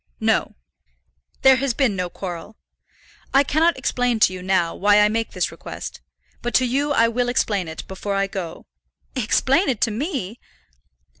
"No; there has been no quarrel. I cannot explain to you now why I make this request; but to you I will explain it before I go." "Explain it to me!"